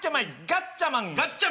ガッチャマン。